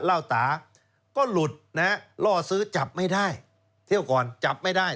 เหล้าตาก็หลุดนะฮะล่อซื้อจับไม่ได้เที่ยวก่อนจับไม่ได้